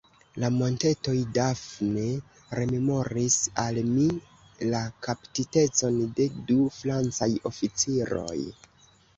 La montetoj Dafne rememoris al mi la kaptitecon de du Francaj oficiroj.